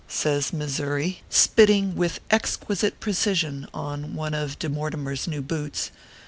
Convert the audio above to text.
says Missouri, spitting with exquisite precision on one of De Mortimer s new boots.